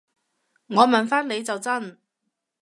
我問返你就真